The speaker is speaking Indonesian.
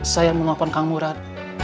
saya mau nelfon kang murad